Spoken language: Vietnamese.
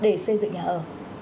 để xây dựng nhà ở